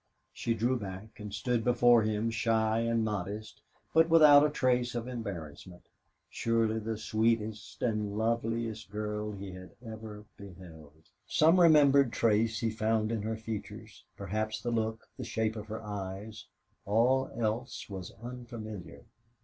She drew back and stood before him, shy and modest, but without a trace of embarrassment, surely the sweetest and loveliest girl he had ever beheld. Some remembered trace he found in her features, perhaps the look, the shape of her eyes all else was unfamiliar.